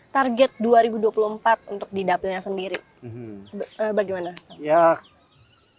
target dua ribu dua puluh empat untuk di dapilnya sendiri bagaimana